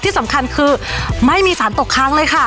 ที่สำคัญคือไม่มีสารตกค้างเลยค่ะ